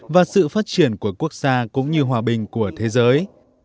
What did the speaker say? và sự phát triển của quốc gia cũng như hòa bình của thế giới